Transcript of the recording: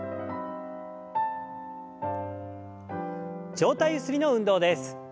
上体ゆすりの運動です。